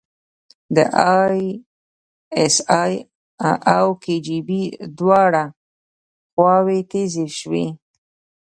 د ای اس ای او کي جی بي دواړه خواوې تیزې شوې.